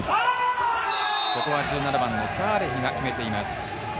ここは１７番、サーレヒが決めています。